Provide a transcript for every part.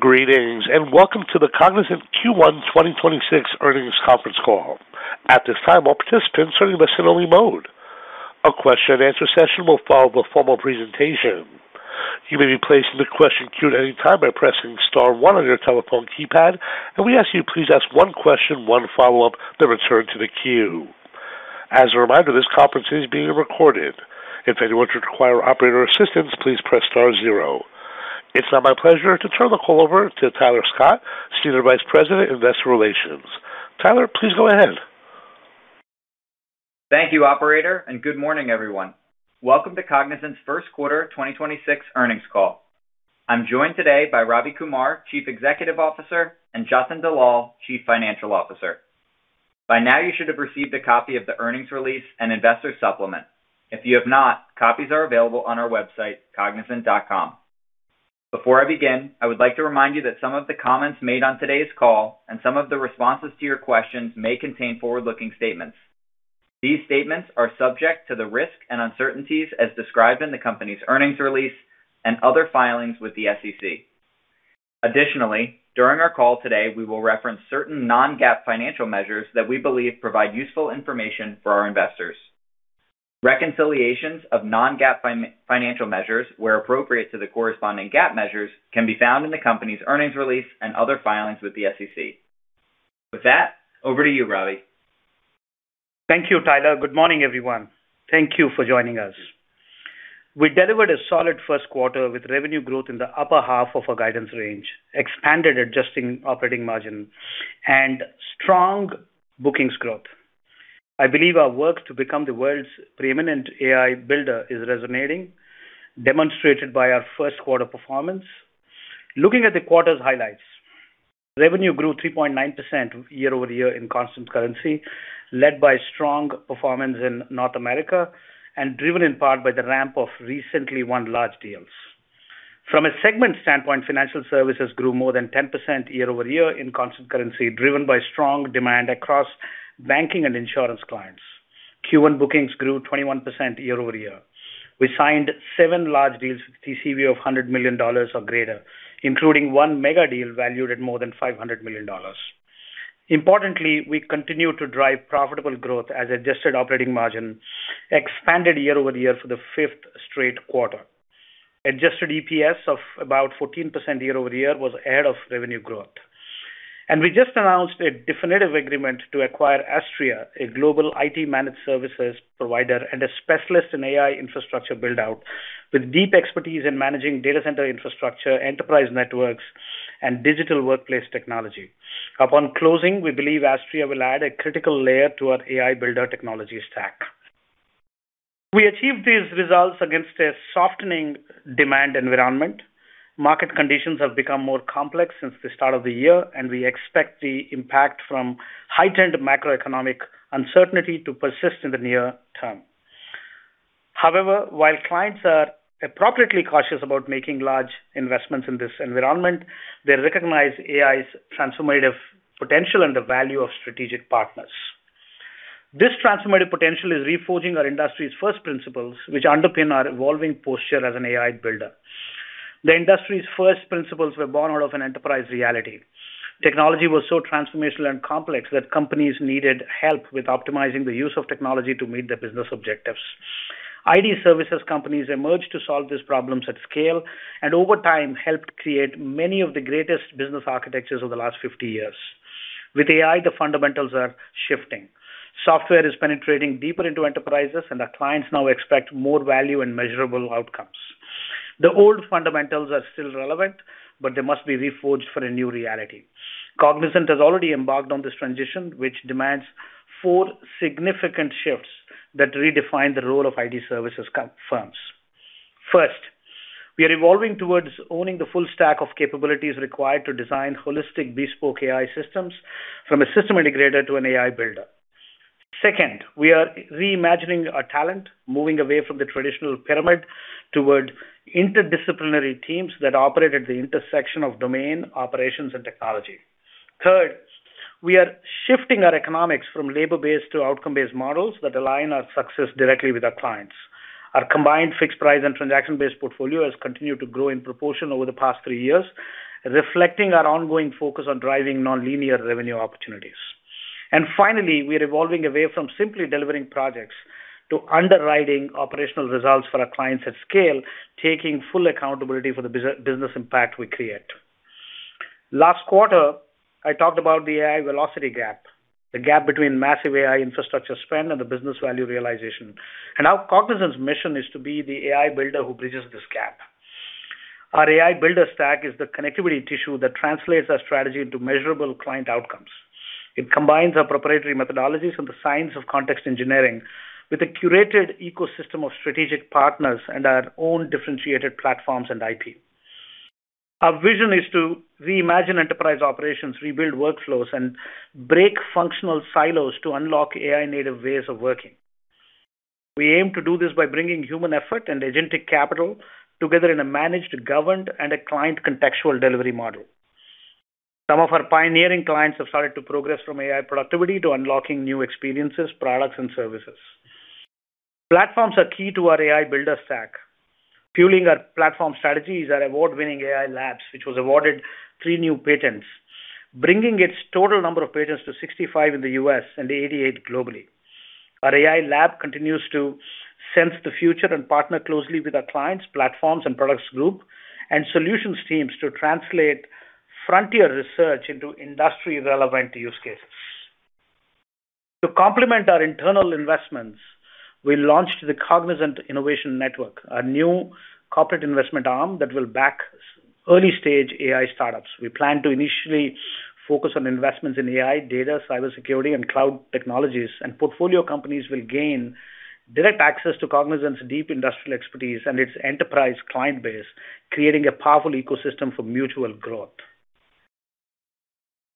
Greetings, Welcome to the Cognizant Q1 2026 earnings conference call. At this time, all participants are in listen-only mode. A question-and-answer session will follow the formal presentation. You may be placed in the question queue at any time by pressing star one on your telephone keypad. We ask you please ask one question, one follow-up. Return to the queue. As a reminder, this conference is being recorded. If anyone should require operator assistance, please press star zero. It's now my pleasure to turn the call over to Tyler Scott, Senior Vice President, Investor Relations. Tyler, please go ahead. Thank you, operator, and good morning, everyone. Welcome to Cognizant's first quarter 2026 earnings call. I am joined today by Ravi Kumar, Chief Executive Officer, and Jatin Dalal, Chief Financial Officer. By now, you should have received a copy of the earnings release and investor supplement. If you have not, copies are available on our website, cognizant.com. Before I begin, I would like to remind you that some of the comments made on today's call and some of the responses to your questions may contain forward-looking statements. These statements are subject to the risks and uncertainties as described in the company's earnings release and other filings with the SEC. Additionally, during our call today, we will reference certain non-GAAP financial measures that we believe provide useful information for our investors. Reconciliations of non-GAAP financial measures, where appropriate to the corresponding GAAP measures, can be found in the company's earnings release and other filings with the SEC. With that, over to you, Ravi. Thank you, Tyler. Good morning, everyone. Thank you for joining us. We delivered a solid first quarter with revenue growth in the upper half of our guidance range, expanded adjusting operating margin and strong bookings growth. I believe our work to become the world's pre-eminent AI builder is resonating, demonstrated by our first quarter performance. Looking at the quarter's highlights. Revenue grew 3.9% year-over-year in constant currency, led by strong performance in North America and driven in part by the ramp of recently won large deals. From a segment standpoint, financial services grew more than 10% year-over-year in constant currency, driven by strong demand across banking and insurance clients. Q1 bookings grew 21% year-over-year. We signed seven large deals with TCV of $100 million or greater, including one mega deal valued at more than $500 million. We continue to drive profitable growth as adjusted operating margin expanded year-over-year for the fifth straight quarter. Adjusted EPS of about 14% year-over-year was ahead of revenue growth. We just announced a definitive agreement to acquire Astreya, a global IT managed services provider and a specialist in AI infrastructure build-out with deep expertise in managing data center infrastructure, enterprise networks, and digital workplace technology. Upon closing, we believe Astreya will add a critical layer to our AI builder technology stack. We achieved these results against a softening demand environment. Market conditions have become more complex since the start of the year, and we expect the impact from heightened macroeconomic uncertainty to persist in the near term. While clients are appropriately cautious about making large investments in this environment, they recognize AI's transformative potential and the value of strategic partners. This transformative potential is reforging our industry's first principles, which underpin our evolving posture as an AI builder. The industry's first principles were born out of an enterprise reality. Technology was so transformational and complex that companies needed help with optimizing the use of technology to meet their business objectives. IT services companies emerged to solve these problems at scale and over time helped create many of the greatest business architectures over the last 50 years. With AI, the fundamentals are shifting. Software is penetrating deeper into enterprises, and our clients now expect more value and measurable outcomes. The old fundamentals are still relevant, but they must be reforged for a new reality. Cognizant has already embarked on this transition, which demands four significant shifts that redefine the role of IT services companies. First, we are evolving towards owning the full stack of capabilities required to design holistic bespoke AI systems from a system integrator to an AI builder. Second, we are reimagining our talent, moving away from the traditional pyramid toward interdisciplinary teams that operate at the intersection of domain, operations, and technology. Third, we are shifting our economics from labor-based to outcome-based models that align our success directly with our clients. Our combined fixed price and transaction-based portfolio has continued to grow in proportion over the past three years, reflecting our ongoing focus on driving nonlinear revenue opportunities. Finally, we are evolving away from simply delivering projects to underwriting operational results for our clients at scale, taking full accountability for the business impact we create. Last quarter, I talked about the AI velocity gap, the gap between massive AI infrastructure spend and the business value realization. Now Cognizant's mission is to be the AI Builder who bridges this gap. Our AI Builder stack is the connectivity tissue that translates our strategy into measurable client outcomes. It combines our proprietary methodologies and the science of context engineering with a curated ecosystem of strategic partners and our own differentiated platforms and IP. Our vision is to reimagine enterprise operations, rebuild workflows, and break functional silos to unlock AI-native ways of working. We aim to do this by bringing human effort and agentic capital together in a managed, governed, and a client contextual delivery model. Some of our pioneering clients have started to progress from AI productivity to unlocking new experiences, products, and services. Platforms are key to our AI Builder stack. Fueling our platform strategy is our award-winning AI Lab, which was awarded three new patents, bringing its total number of patents to 65 in the U.S. and 88 globally. Our AI Lab continues to sense the future and partner closely with our clients, platforms and products group, and solutions teams to translate frontier research into industry-relevant use cases. To complement our internal investments, we launched the Cognizant Innovation Network, a new corporate investment arm that will back early-stage AI startups. We plan to initially focus on investments in AI, data, cybersecurity, and cloud technologies. Portfolio companies will gain direct access to Cognizant's deep industrial expertise and its enterprise client base, creating a powerful ecosystem for mutual growth.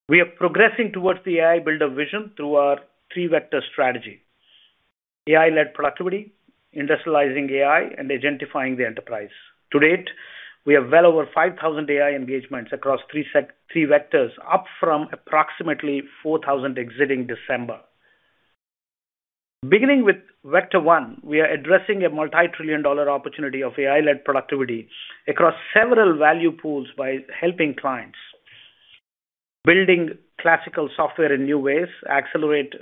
We are progressing towards the AI Builder vision through our three-vector strategy: AI-led productivity, industrializing AI, and agentifying the enterprise. To date, we have well over 5,000 AI engagements across three vectors, up from approximately 4,000 exiting December. Beginning with Vector 1, we are addressing a multi-trillion-dollar opportunity of AI-led productivity across several value pools by helping clients. Building classical software in new ways accelerate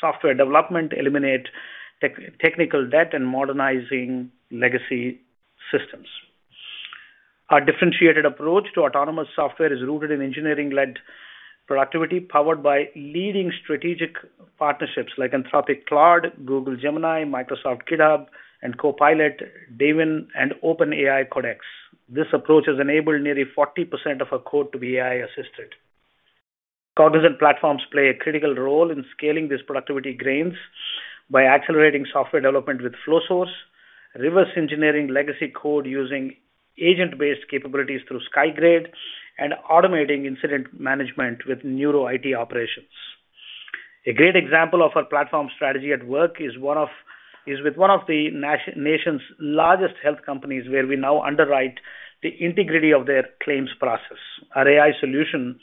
software development, eliminate technical debt, and modernizing legacy systems. Our differentiated approach to autonomous software is rooted in engineering-led productivity, powered by leading strategic partnerships like Anthropic Claude, Google Gemini, Microsoft GitHub and Copilot, Devin and OpenAI Codex. This approach has enabled nearly 40% of our code to be AI assisted. Cognizant platforms play a critical role in scaling these productivity gains by accelerating software development with Flowsource, reverse engineering legacy code using agent-based capabilities through Skygrade, and automating incident management with Neuro IT Operations. A great example of our platform strategy at work is one of is with one of the nation's largest health companies, where we now underwrite the integrity of their claims process. Our AI solution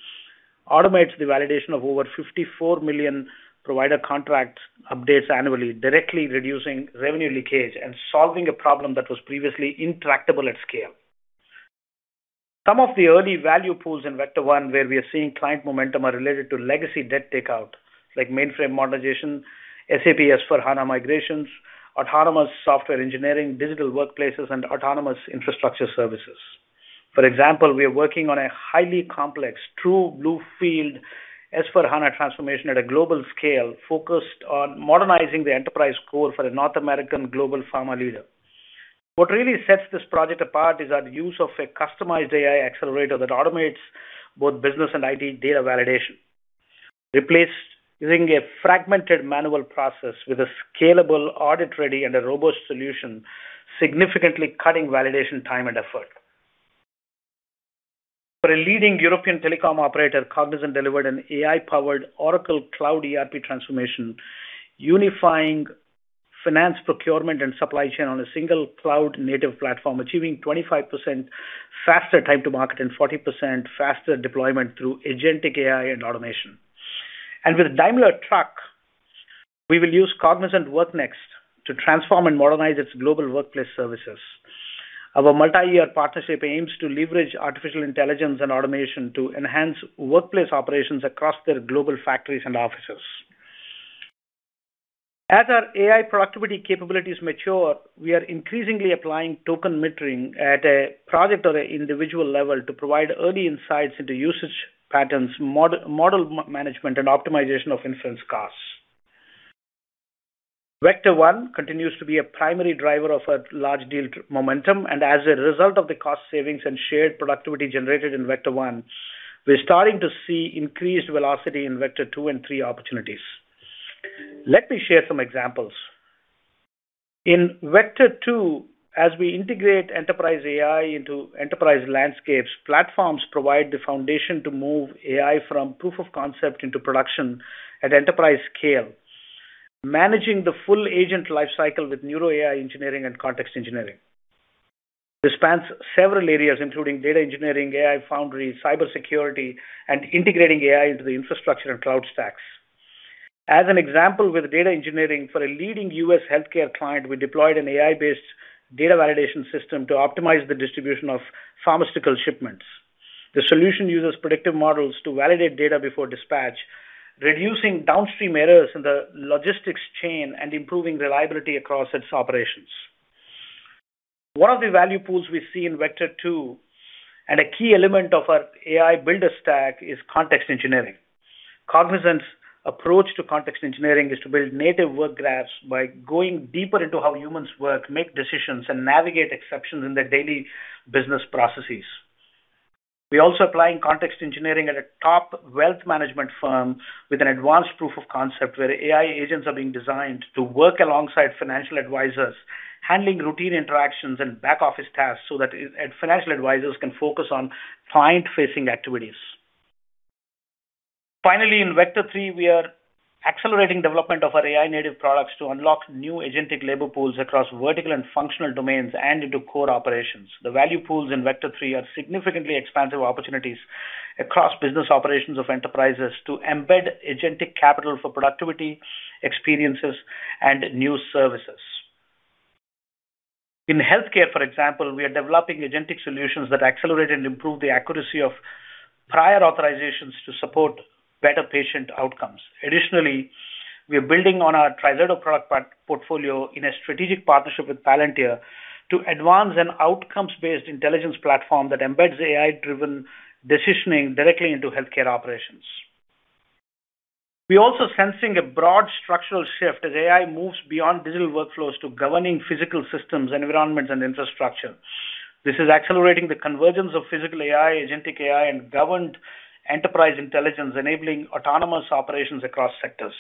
automates the validation of over 54 million provider contract updates annually, directly reducing revenue leakage and solving a problem that was previously intractable at scale. Some of the early value pools in Vector 1 where we are seeing client momentum are related to legacy debt takeout, like mainframe modernization, SAP S/4HANA migrations, autonomous software engineering, digital workplaces, and autonomous infrastructure services. For example, we are working on a highly complex, true blue field S/4HANA transformation at a global scale focused on modernizing the enterprise core for a North American global pharma leader. What really sets this project apart is our use of a customized AI accelerator that automates both business and IT data validation, replaced using a fragmented manual process with a scalable audit ready and a robust solution, significantly cutting validation time and effort. For a leading European telecom operator, Cognizant delivered an AI-powered Oracle Cloud ERP transformation, unifying finance, procurement, and supply chain on a single cloud native platform, achieving 25% faster time to market and 40% faster deployment through agentic AI and automation. With Daimler Truck, we will use Cognizant WorkNext to transform and modernize its global workplace services. Our multi-year partnership aims to leverage artificial intelligence and automation to enhance workplace operations across their global factories and offices. As our AI productivity capabilities mature, we are increasingly applying token metering at a project or a individual level to provide early insights into usage patterns, mode-model management, and optimization of inference costs. Vector 1 continues to be a primary driver of a large deal momentum, and as a result of the cost savings and shared productivity generated in Vector 1, we're starting to see increased velocity in Vector 2 and 3 opportunities. Let me share some examples. In Vector 2, as we integrate enterprise AI into enterprise landscapes, platforms provide the foundation to move AI from proof of concept into production at enterprise scale. Managing the full Agentic AI lifecycle with Neuro AI Engineering and context engineering. This spans several areas, including data engineering, AI foundry, cybersecurity, and integrating AI into the infrastructure and cloud stacks. As an example, with data engineering for a leading U.S. healthcare client, we deployed an AI-based data validation system to optimize the distribution of pharmaceutical shipments. The solution uses predictive models to validate data before dispatch, reducing downstream errors in the logistics chain and improving reliability across its operations. One of the value pools we see in Vector 2 and a key element of our AI Builder stack is context engineering. Cognizant's approach to context engineering is to build native work graphs by going deeper into how humans work, make decisions, and navigate exceptions in their daily business processes. We're also applying context engineering at a top wealth management firm with an advanced proof of concept where AI agents are being designed to work alongside financial advisors, handling routine interactions and back-office tasks so that financial advisors can focus on client-facing activities. Finally, in Vector 3, we are accelerating development of our AI native products to unlock new agentic labor pools across vertical and functional domains and into core operations. The value pools in Vector 3 are significantly expansive opportunities across business operations of enterprises to embed agentic capital for productivity, experiences, and new services. In healthcare, for example, we are developing agentic solutions that accelerate and improve the accuracy of prior authorizations to support better patient outcomes. Additionally, we are building on our TriZetto product part-portfolio in a strategic partnership with Palantir to advance an outcomes-based intelligence platform that embeds AI-driven decisioning directly into healthcare operations. We're also sensing a broad structural shift as AI moves beyond digital workflows to governing physical systems, environments, and infrastructure. This is accelerating the convergence of Physical AI, Agentic AI, and governed enterprise intelligence, enabling autonomous operations across sectors.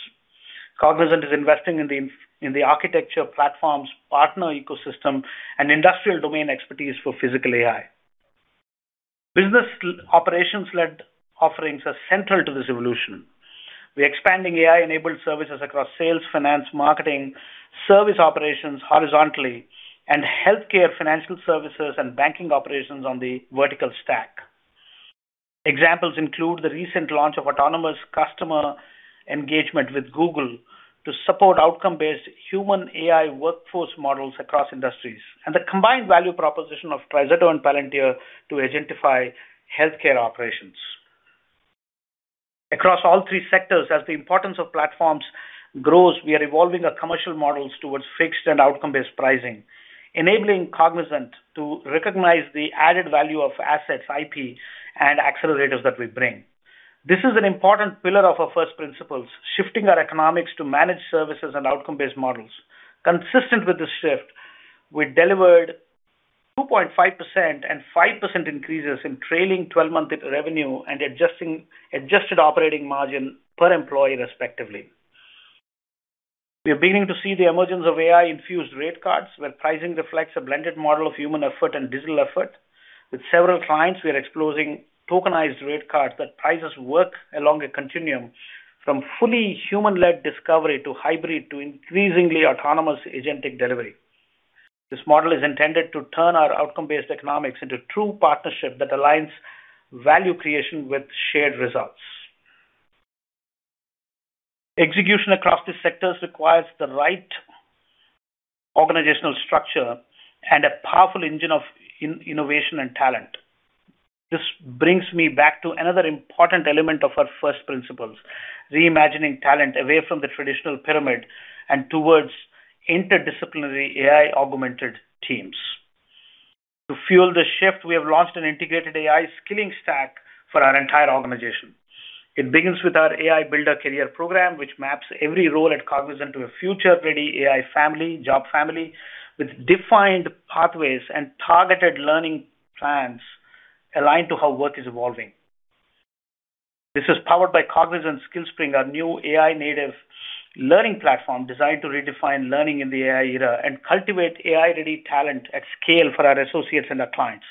Cognizant is investing in the architecture platforms, partner ecosystem, and industrial domain expertise for Physical AI. Business operations-led offerings are central to this evolution. We're expanding AI-enabled services across sales, finance, marketing, service operations horizontally, and healthcare financial services and banking operations on the vertical stack. Examples include the recent launch of autonomous customer engagement with Google to support outcome-based human AI workforce models across industries, and the combined value proposition of TriZetto and Palantir to agentify healthcare operations. Across all three sectors, as the importance of platforms grows, we are evolving our commercial models towards fixed and outcome-based pricing, enabling Cognizant to recognize the added value of assets, IP, and accelerators that we bring. This is an important pillar of our first principles, shifting our economics to managed services and outcome-based models. Consistent with this shift, we delivered 2.5% and 5% increases in trailing 12-month revenue and adjusted operating margin per employee, respectively. We are beginning to see the emergence of AI-infused rate cards, where pricing reflects a blended model of human effort and digital effort. With several clients, we are exploring tokenized rate cards that prices work along a continuum from fully human-led discovery to hybrid to increasingly autonomous agentic delivery. This model is intended to turn our outcome-based economics into true partnership that aligns value creation with shared results. Execution across these sectors requires the right organizational structure and a powerful engine of innovation and talent. This brings me back to another important element of our first principles, reimagining talent away from the traditional pyramid and towards interdisciplinary AI-augmented teams. To fuel this shift, we have launched an integrated AI skilling stack for our entire organization. It begins with our AI Builder Career Program, which maps every role at Cognizant to a future-ready AI family, job family with defined pathways and targeted learning plans aligned to how work is evolving. This is powered by Cognizant Skillspring, our new AI-native learning platform designed to redefine learning in the AI era and cultivate AI-ready talent at scale for our associates and our clients.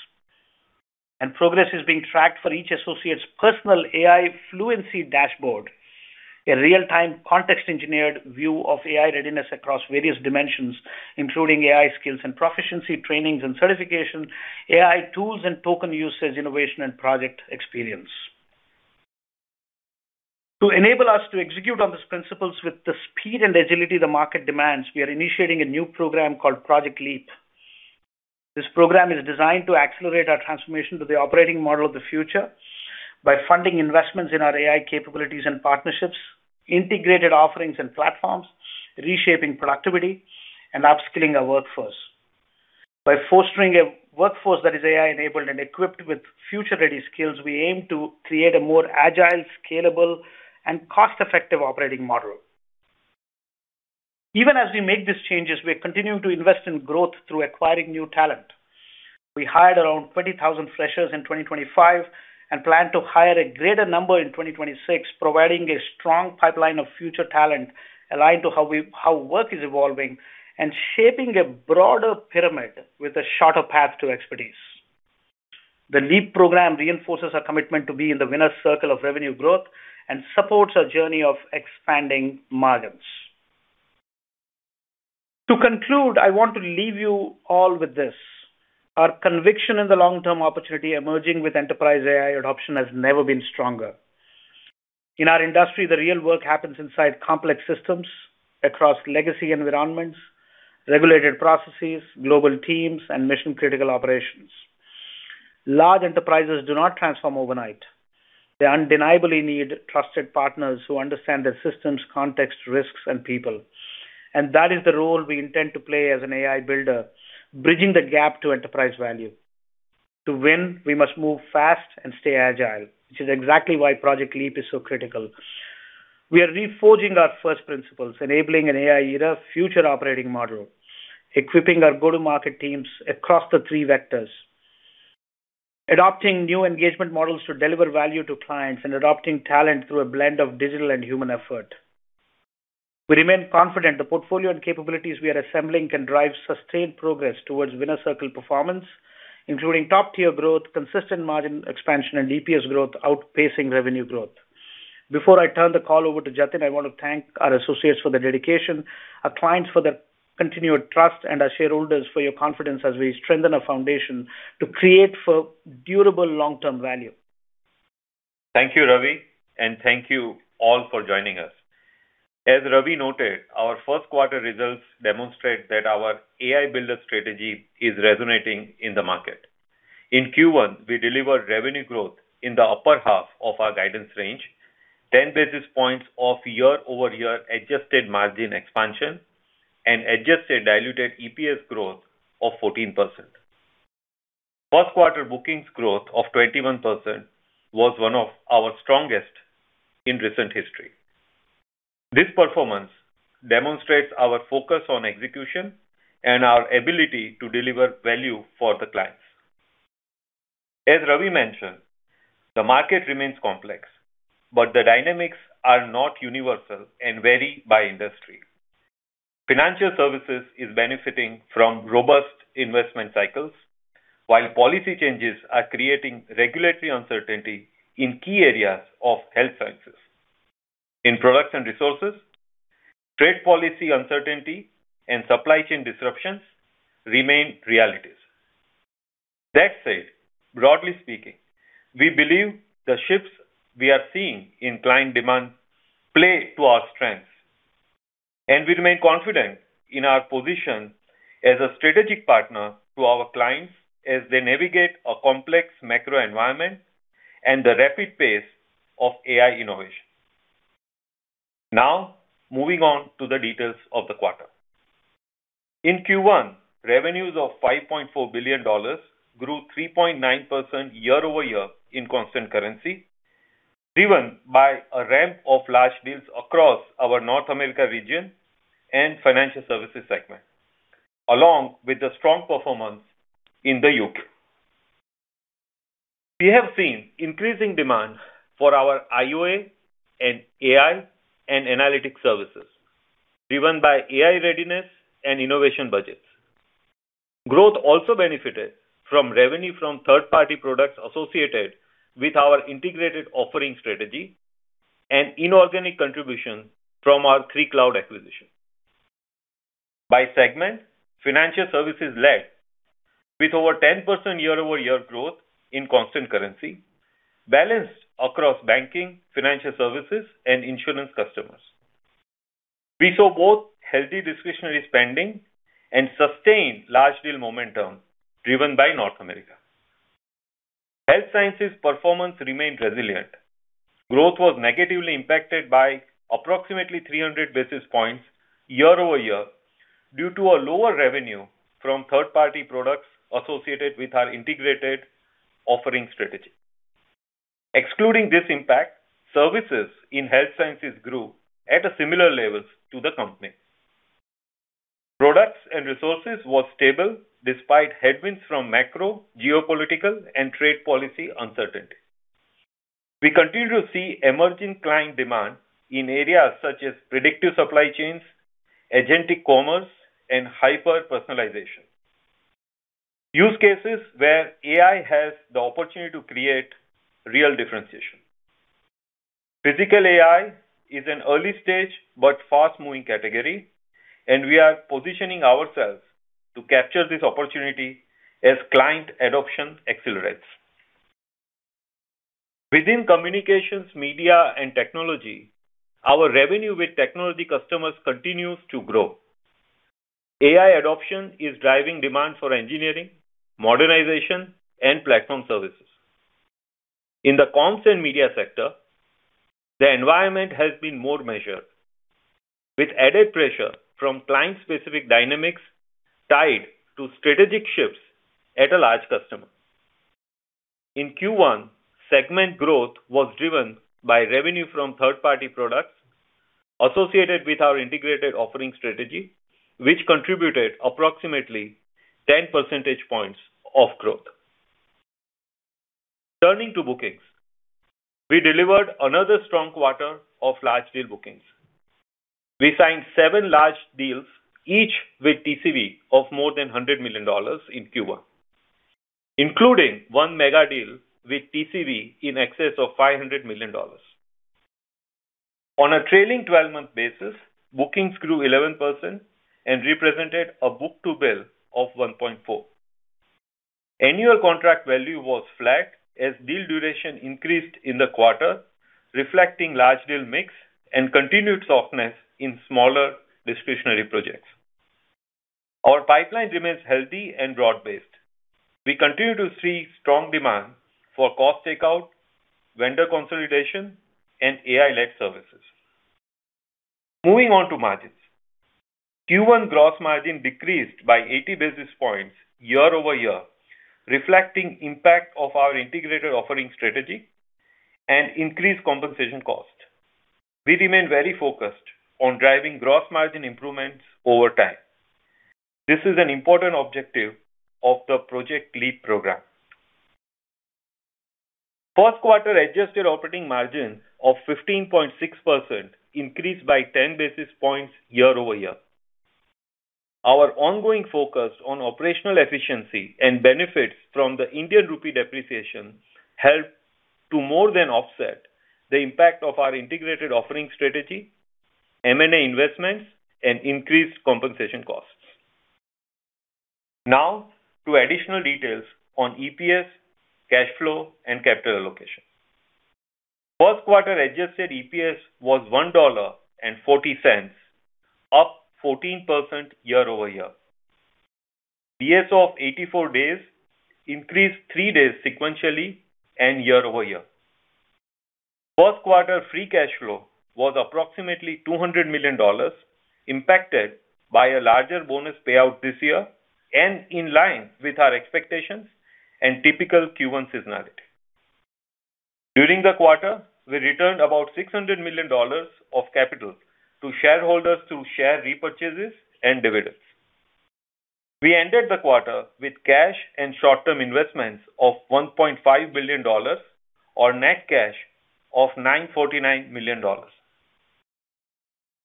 Progress is being tracked for each associate's personal AI fluency dashboard, a real-time context-engineered view of AI readiness across various dimensions, including AI skills and proficiency, trainings and certification, AI tools and token usage, innovation, and project experience. To enable us to execute on these principles with the speed and agility the market demands, we are initiating a new program called Project Leap. This program is designed to accelerate our transformation to the operating model of the future by funding investments in our AI capabilities and partnerships, integrated offerings and platforms, reshaping productivity, and upskilling our workforce. By fostering a workforce that is AI-enabled and equipped with future-ready skills, we aim to create a more agile, scalable, and cost-effective operating model. Even as we make these changes, we are continuing to invest in growth through acquiring new talent. We hired around 20,000 freshers in 2025 and plan to hire a greater number in 2026, providing a strong pipeline of future talent aligned to how work is evolving and shaping a broader pyramid with a shorter path to expertise. The Leap Program reinforces our commitment to be in the winner's circle of revenue growth and supports our journey of expanding margins. To conclude, I want to leave you all with this. Our conviction in the long-term opportunity emerging with enterprise AI adoption has never been stronger. In our industry, the real work happens inside complex systems across legacy environments, regulated processes, global teams, and mission-critical operations. Large enterprises do not transform overnight. They undeniably need trusted partners who understand their systems, context, risks, and people. That is the role we intend to play as an AI Builder, bridging the gap to enterprise value. To win, we must move fast and stay agile, which is exactly why Project Leap is so critical. We are reforging our First Principles, enabling an AI-era future operating model, equipping our go-to-market teams across the three vectors, adopting new engagement models to deliver value to clients, and adopting talent through a blend of digital and human effort. We remain confident the portfolio and capabilities we are assembling can drive sustained progress towards winner circle performance, including top-tier growth, consistent margin expansion, and EPS growth outpacing revenue growth. Before I turn the call over to Jatin, I want to thank our associates for their dedication, our clients for their continued trust, and our shareholders for your confidence as we strengthen our foundation to create for durable long-term value. Thank you, Ravi. Thank you all for joining us. As Ravi noted, our first quarter results demonstrate that our AI Builder strategy is resonating in the market. In Q1, we delivered revenue growth in the upper half of our guidance range, 10 basis points of year-over-year adjusted margin expansion and adjusted diluted EPS growth of 14%. First quarter bookings growth of 21% was one of our strongest in recent history. This performance demonstrates our focus on execution and our ability to deliver value for the clients. As Ravi mentioned, the market remains complex. The dynamics are not universal and vary by industry. Financial services is benefiting from robust investment cycles, while policy changes are creating regulatory uncertainty in key areas of health sciences. In products and resources, trade policy uncertainty and supply chain disruptions remain realities. Broadly speaking, we believe the shifts we are seeing in client demand play to our strengths, and we remain confident in our position as a strategic partner to our clients as they navigate a complex macro environment and the rapid pace of AI innovation. Moving on to the details of the quarter. In Q1, revenues of $5.4 billion grew 3.9% year-over-year in constant currency, driven by a ramp of large deals across our North America region and financial services segment, along with a strong performance in the U.K. We have seen increasing demand for our IOA and AI and analytics services, driven by AI readiness and innovation budgets. Growth also benefited from revenue from third-party products associated with our integrated offering strategy and inorganic contribution from our 3Cloud acquisitions. By segment, financial services led with over 10% year-over-year growth in constant currency balanced across banking, financial services, and insurance customers. We saw both healthy discretionary spending and sustained large deal momentum driven by North America. Health Sciences performance remained resilient. Growth was negatively impacted by approximately 300 basis points year-over-year due to a lower revenue from third-party products associated with our integrated offering strategy. Excluding this impact, services in Health Sciences grew at a similar level to the company. Products and resources was stable despite headwinds from macro, geopolitical, and trade policy uncertainty. We continue to see emerging client demand in areas such as predictive supply chains, agentic commerce, and hyper-personalization. Use cases where AI has the opportunity to create real differentiation. Physical AI is an early stage but fast-moving category, and we are positioning ourselves to capture this opportunity as client adoption accelerates. Within communications, media, and technology, our revenue with technology customers continues to grow. AI adoption is driving demand for engineering, modernization, and platform services. In the comms and media sector, the environment has been more measured with added pressure from client-specific dynamics tied to strategic shifts at a large customer. In Q1, segment growth was driven by revenue from third-party products associated with our integrated offering strategy, which contributed approximately 10 percentage points of growth. Turning to bookings. We delivered another strong quarter of large deal bookings. We signed 7 large deals, each with TCV of more than $100 million in Q1, including one mega deal with TCV in excess of $500 million. On a trailing 12-month basis, bookings grew 11% and represented a book-to-bill of one point four. Annual contract value was flat as deal duration increased in the quarter, reflecting large deal mix and continued softness in smaller discretionary projects. Our pipeline remains healthy and broad-based. We continue to see strong demand for cost takeout, vendor consolidation, and AI-led services. Moving on to margins. Q1 gross margin decreased by 80 basis points year-over-year, reflecting impact of our integrated offering strategy and increased compensation cost. We remain very focused on driving gross margin improvements over time. This is an important objective of the Project Leap program. First quarter adjusted operating margin of 15.6% increased by 10 basis points year-over-year. Our ongoing focus on operational efficiency and benefits from the Indian rupee depreciation helped to more than offset the impact of our integrated offering strategy, M&A investments, and increased compensation costs. Now to additional details on EPS, cash flow, and capital allocation. First quarter adjusted EPS was $1.40, up 14% year-over-year. DSO of 84 days increased three days sequentially and year-over-year. First quarter free cash flow was approximately $200 million, impacted by a larger bonus payout this year and in line with our expectations and typical Q1 seasonality. During the quarter, we returned about $600 million of capital to shareholders through share repurchases and dividends. We ended the quarter with cash and short-term investments of $1.5 billion or net cash of $949 million.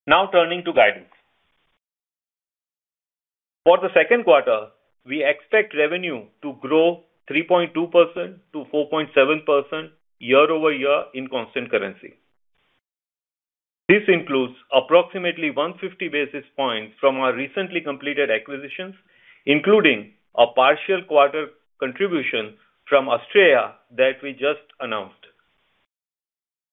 Now turning to guidance. For the second quarter, we expect revenue to grow 3.2%-4.7% year-over-year in constant currency. This includes approximately 150 basis points from our recently completed acquisitions, including a partial quarter contribution from Astreya that we just announced.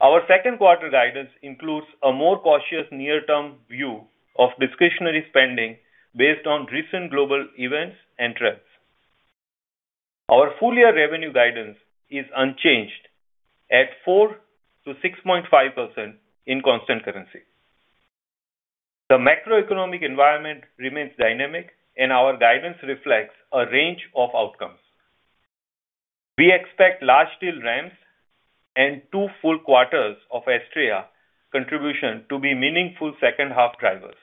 Our second quarter guidance includes a more cautious near-term view of discretionary spending based on recent global events and trends. Our full year revenue guidance is unchanged at 4%-6.5% in constant currency. The macroeconomic environment remains dynamic and our guidance reflects a range of outcomes. We expect large deal ramps and two full quarters of Astreya contribution to be meaningful second half drivers.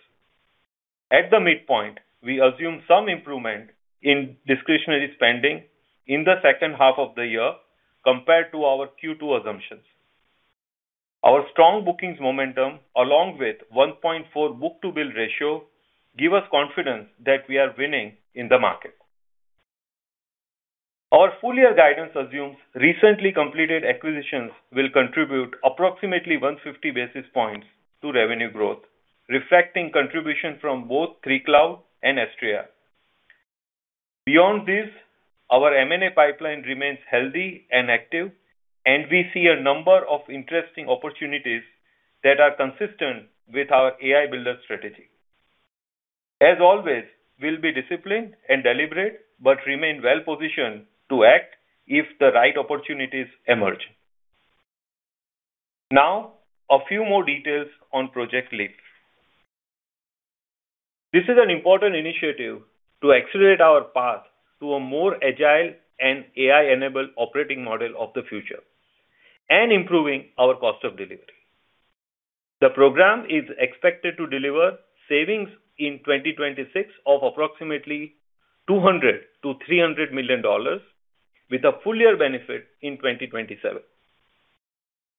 At the midpoint, we assume some improvement in discretionary spending in the second half of the year compared to our Q2 assumptions. Our strong bookings momentum, along with one point four book-to-bill ratio, give us confidence that we are winning in the market. Our full year guidance assumes recently completed acquisitions will contribute approximately 150 basis points to revenue growth, reflecting contribution from both 3Cloud and Astreya. Beyond this, our M&A pipeline remains healthy and active, and we see a number of interesting opportunities that are consistent with our AI Builder strategy. As always, we'll be disciplined and deliberate but remain well-positioned to act if the right opportunities emerge. Now a few more details on Project Leap. This is an important initiative to accelerate our path to a more agile and AI-enabled operating model of the future and improving our cost of delivery. The program is expected to deliver savings in 2026 of approximately $200 million-$300 million with a full year benefit in 2027.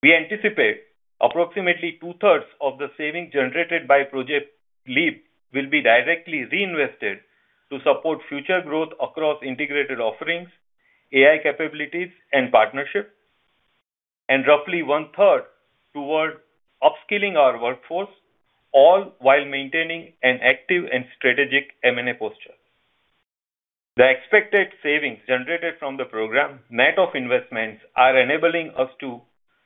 We anticipate approximately two-thirds of the savings generated by Project Leap will be directly reinvested to support future growth across integrated offerings, AI capabilities and partnerships, and roughly one-third toward upskilling our workforce, all while maintaining an active and strategic M&A posture. The expected savings generated from the program net of investments are enabling us to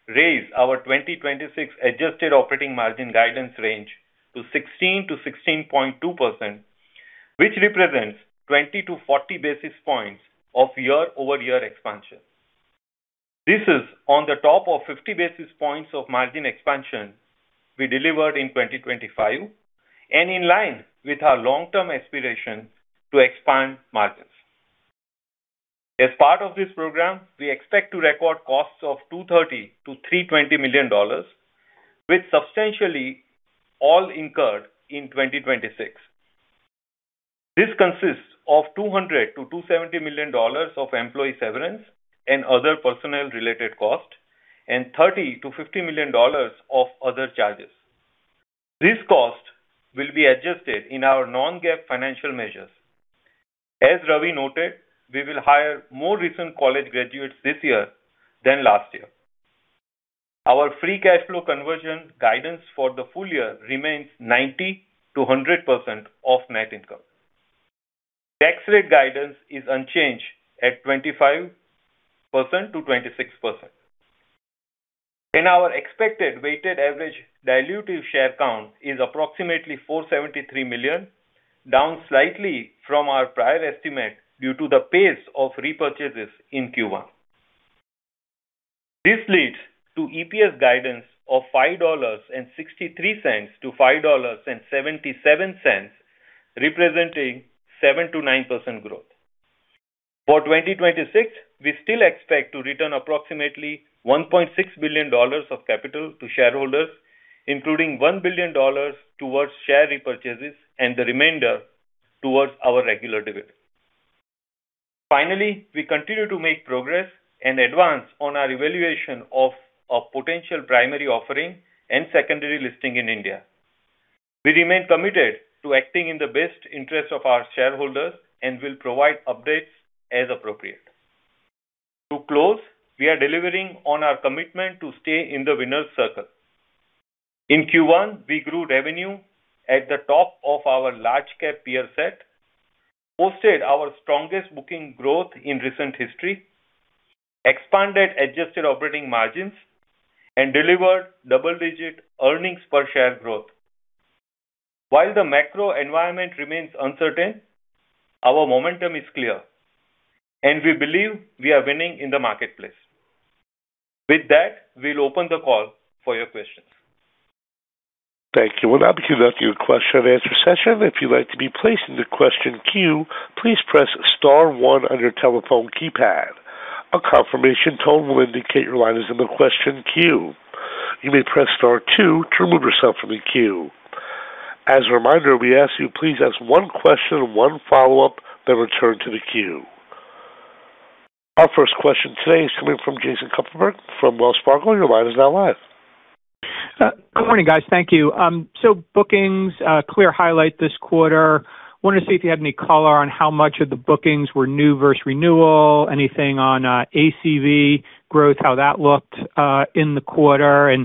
raise our 2026 adjusted operating margin guidance range to 16%-16.2%, which represents 20 to 40 basis points of year-over-year expansion. This is on the top of 50 basis points of margin expansion we delivered in 2025 and in line with our long-term aspiration to expand margins. As part of this program, we expect to record costs of $230 million-$320 million, with substantially all incurred in 2026. This consists of $200 million-$270 million of employee severance and other personnel related costs and $30 million-$50 million of other charges. This cost will be adjusted in our non-GAAP financial measures. As Ravi noted, we will hire more recent college graduates this year than last year. Our free cash flow conversion guidance for the full year remains 90%-100% of net income. Tax rate guidance is unchanged at 25%-26%. Our expected weighted average dilutive share count is approximately $473 million, down slightly from our prior estimate due to the pace of repurchases in Q1. This leads to EPS guidance of $5.63-$5.77, representing 7%-9% growth. For 2026, we still expect to return approximately $1.6 billion of capital to shareholders, including $1 billion towards share repurchases and the remainder towards our regular dividend. Finally, we continue to make progress and advance on our evaluation of a potential primary offering and secondary listing in India. We remain committed to acting in the best interest of our shareholders and will provide updates as appropriate. To close, we are delivering on our commitment to stay in the winner's circle. In Q1, we grew revenue at the top of our large cap peer set, posted our strongest booking growth in recent history, expanded adjusted operating margins, and delivered double-digit earnings per share growth. While the macro environment remains uncertain, our momentum is clear, and we believe we are winning in the marketplace. With that, we'll open the call for your questions. Thank you. We will now be conducting a question-and-answer session. If you would like to be placed in the question queue, please press star one on your telephone keypad. A confirmation tone will indicate your line is in the question queue. You may press star two to remove yourself from the queue. As a reminder, we ask you please ask one question, one follow-up, then return to the queue. Our first question today is coming from Jason Kupferberg from Wells Fargo. Your line is now live. Good morning, guys. Thank you. Bookings, clear highlight this quarter. Wanted to see if you had any color on how much of the bookings were new versus renewal. Anything on ACV growth, how that looked in the quarter.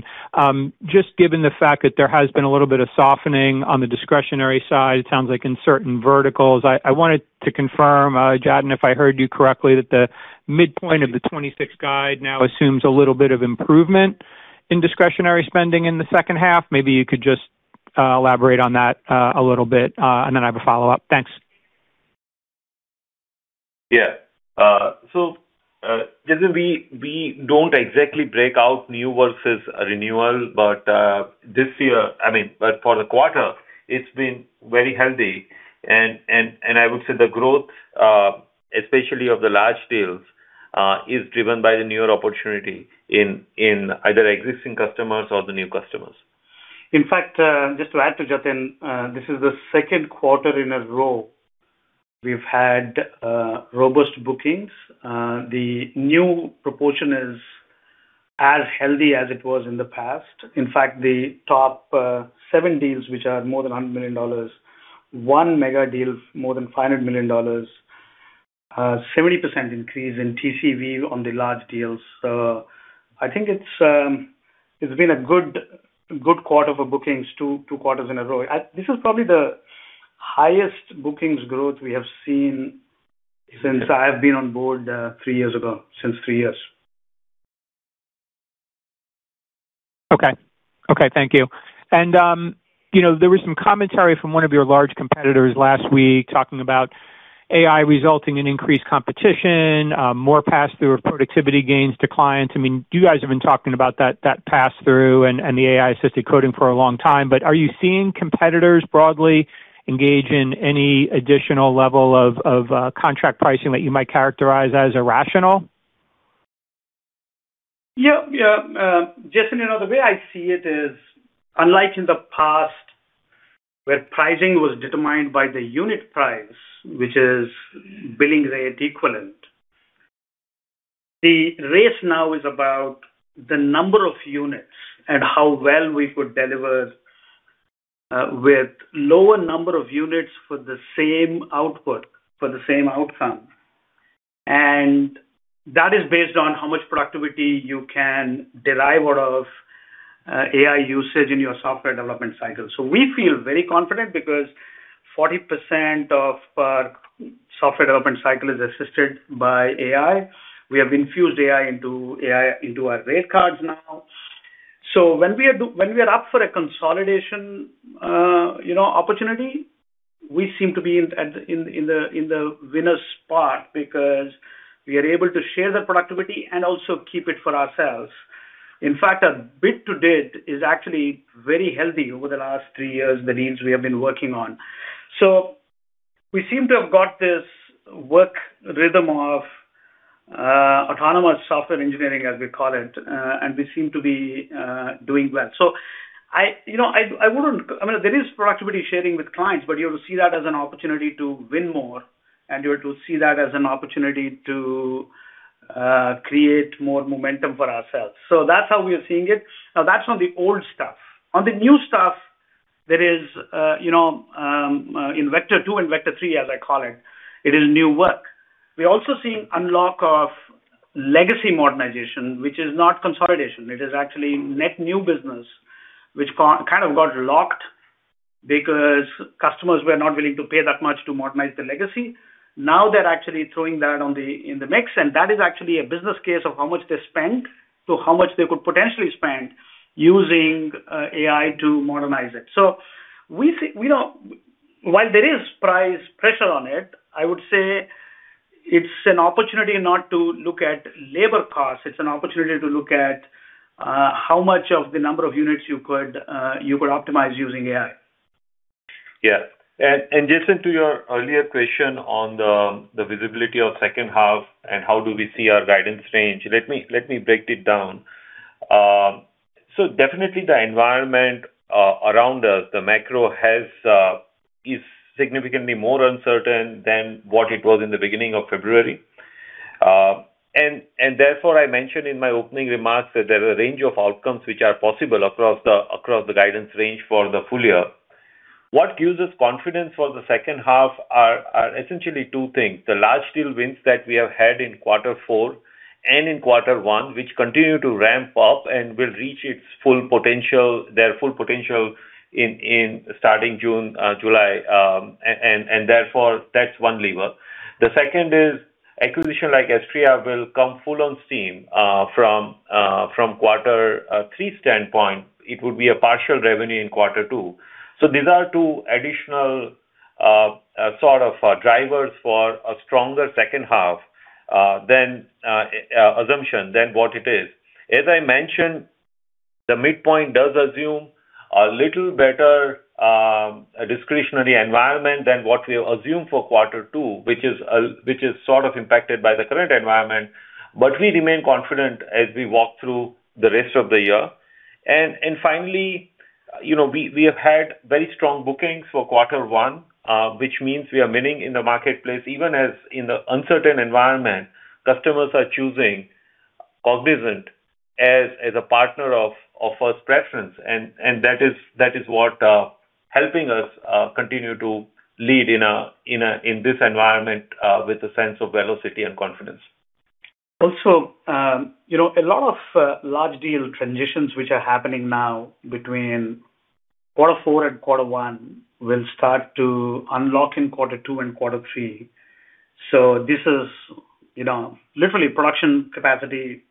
Just given the fact that there has been a little bit of softening on the discretionary side, it sounds like in certain verticals. I wanted to confirm, Jatin, if I heard you correctly, that the midpoint of the 2026 guide now assumes a little bit of improvement in discretionary spending in the second half. Maybe you could just elaborate on that a little bit. I have a follow-up. Thanks. Jason, we don't exactly break out new versus renewal, but this year, i mean for the quarter, it's been very healthy and I would say the growth, especially of the large deals, is driven by the newer opportunity in either existing customers or the new customers. In fact, just to add to Jatin, this is the second quarter in a row we've had robust bookings. The new proportion is as healthy as it was in the past. In fact, the top seven deals, which are more than $100 million, one mega deal more than $500 million, 70% increase in TCV on the large deals. I think it's been a good quarter for bookings, two quarters in a row. This is probably the highest bookings growth we have seen since I have been on board, three years ago, since three years. Okay. Okay, thank you. You know, there was some commentary from one of your large competitors last week talking about AI resulting in increased competition, more pass-through of productivity gains to clients. I mean, you guys have been talking about that pass-through and the AI-assisted coding for a long time. Are you seeing competitors broadly engage in any additional level of contract pricing that you might characterize as irrational? Yeah, yeah. Jason, you know, the way I see it is unlike in the past where pricing was determined by the unit price, which is billing rate equivalent. The race now is about the number of units and how well we could deliver with lower number of units for the same output, for the same outcome. That is based on how much productivity you can derive out of AI usage in your software development cycle. We feel very confident because 40% of our software development cycle is assisted by AI. We have infused AI into our rate cards now. When we are up for a consolidation, you know, opportunity, we seem to be in the winner spot because we are able to share the productivity and also keep it for ourselves. Our bid to date is actually very healthy over the last three years, the deals we have been working on. We seem to have got this work rhythm of autonomous software engineering, as we call it, and we seem to be doing well. I, you know, I wouldn't. I mean, there is productivity sharing with clients, you have to see that as an opportunity to win more, you have to see that as an opportunity to create more momentum for ourselves. That's how we are seeing it. That's on the old stuff. On the new stuff, there is, you know, in Vector 2 and Vector 3, as I call it is new work. We're also seeing unlock of legacy modernization, which is not consolidation. It is actually net new business which kind of got locked because customers were not willing to pay that much to modernize the legacy. Now they're actually throwing that on the, in the mix, and that is actually a business case of how much they spend to how much they could potentially spend using AI to modernize it. While there is price pressure on it, I would say it's an opportunity not to look at labor costs. It's an opportunity to look at how much of the number of units you could optimize using AI. Yeah. Jason, to your earlier question on the visibility of second half and how do we see our guidance range, let me break it down. Definitely the environment around us, the macro has is significantly more uncertain than what it was in the beginning of February. Therefore, I mentioned in my opening remarks that there are a range of outcomes which are possible across the across the guidance range for the full year. What gives us confidence for the second half are essentially two things. The large deal wins that we have had in quarter four and in quarter one, which continue to ramp up and will reach their full potential starting June, July. Therefore, that's one lever. The second is acquisition like Astreya will come full on steam from Q3 standpoint, it would be a partial revenue in Q2. These are two additional sort of drivers for a stronger second half than assumption than what it is. As I mentioned, the midpoint does assume a little better discretionary environment than what we assume for Q2, which is sort of impacted by the current environment, but we remain confident as we walk through the rest of the year. Finally, you know, we have had very strong bookings for Q1, which means we are winning in the marketplace. Even as in the uncertain environment, customers are choosing Cognizant as a partner of 1st preference. That is what helping us continue to lead in this environment with a sense of velocity and confidence. You know, a lot of large deal transitions which are happening now between Q4 and Q1 will start to unlock in Q2 and Q3. This is, you know, literally production capacity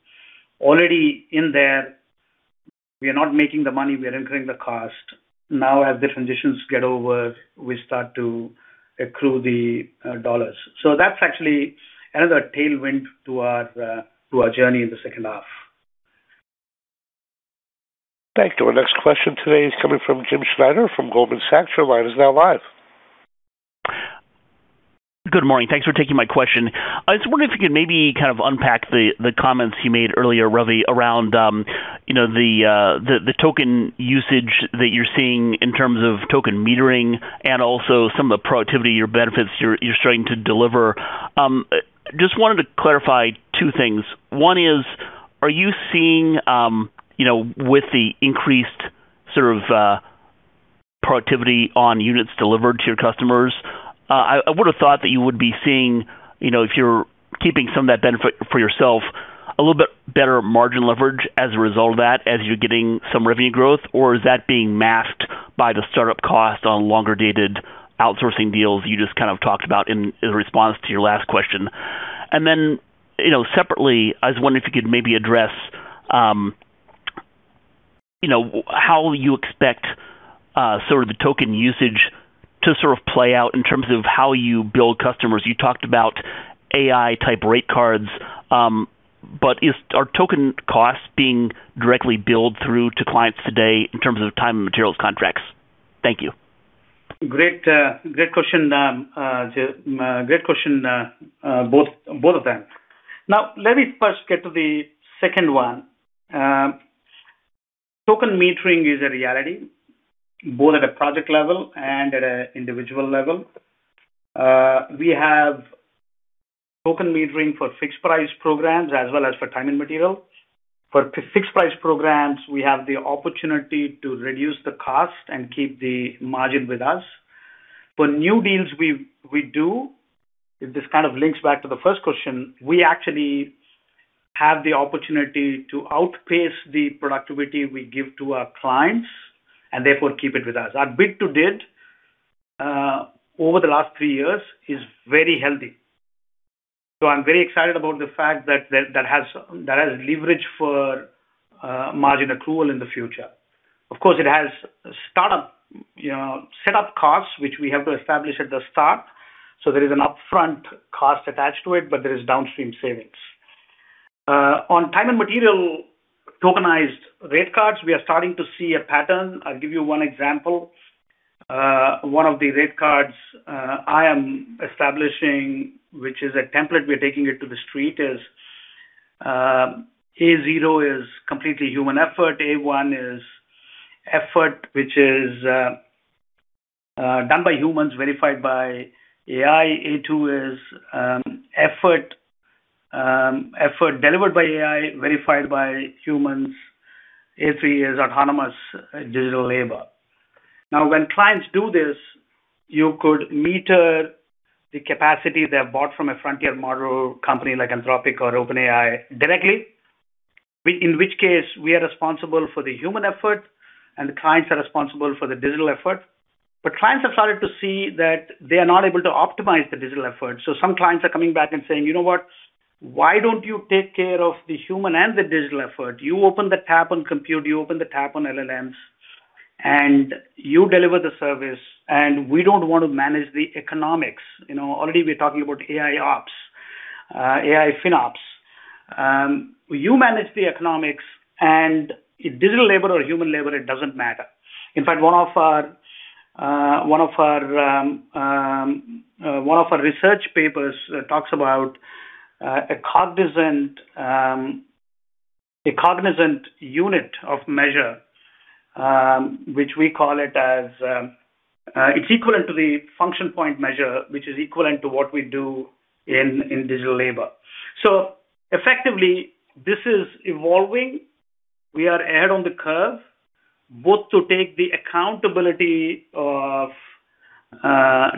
already in there. We are not making the money; we are incurring the cost. Now, as the transitions get over, we start to accrue the dollars. That's actually another tailwind to our journey in the second half. Thank you. Our next question today is coming from James Schneider from Goldman Sachs. Your line is now live. Good morning. Thanks for taking my question. I was wondering if you could maybe kind of unpack the comments you made earlier, Ravi, around, you know, the token usage that you're seeing in terms of token metering and also some of the productivity, your benefits you're starting to deliver. Just wanted to clarify two things. One is, are you seeing, you know, with the increased sort of productivity on units delivered to your customers, I would have thought that you would be seeing, you know, if you're keeping some of that benefit for yourself, a little bit better margin leverage as a result of that, as you're getting some revenue growth, or is that being masked by the startup cost on longer dated outsourcing deals you just kind of talked about in response to your last question? You know, separately, I was wondering if you could maybe address, you know, how you expect sort of the token usage to sort of play out in terms of how you build customers. You talked about AI type rate cards, but are token costs being directly billed through to clients today in terms of time and materials contracts? Thank you. Great, great question, great question, both of them. Let me first get to the second one. Token metering is a reality, both at a project level and at a individual level. We have token metering for fixed price programs as well as for time and material. For fixed price programs, we have the opportunity to reduce the cost and keep the margin with us. For new deals we do, this kind of links back to the first question, we actually have the opportunity to outpace the productivity we give to our clients and therefore keep it with us. Our bid to date, over the last three years is very healthy. I'm very excited about the fact that that has leverage for margin accrual in the future. Of course, it has startup set up costs, which we have to establish at the start. There is an upfront cost attached to it, but there is downstream savings. On time and material tokenized rate cards, we are starting to see a pattern. I'll give you one example. One of the rate cards I am establishing, which is a template, we're taking it to the street, is A-0 is completely human effort. A-1 is effort which is done by humans, verified by AI. A-2 is effort delivered by AI, verified by humans. A-3 is autonomous digital labor. When clients do this, you could meter the capacity they have bought from a frontier model company like Anthropic or OpenAI directly, in which case we are responsible for the human effort, and the clients are responsible for the digital effort. Clients have started to see that they are not able to optimize the digital effort. Some clients are coming back and saying, "You know what? Why don't you take care of the human and the digital effort? You open the tap and compute, you open the tap on LLMs, and you deliver the service, and we don't want to manage the economics." You know, already we're talking about AIOps, AI FinOps. You manage the economics and digital labor or human labor, it doesn't matter. In fact, one of our, one of our, one of our research papers talks about a Cognizant, a Cognizant unit of measure, which we call it as, it's equivalent to the function point measure, which is equivalent to what we do in digital labor. Effectively, this is evolving. We are ahead on the curve, both to take the accountability of